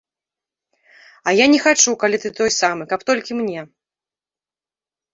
А я не хачу, калі ты той самы, каб толькі мне.